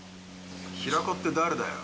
平子って誰だよ。